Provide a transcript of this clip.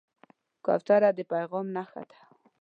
کوتره د پیغام نښه ده.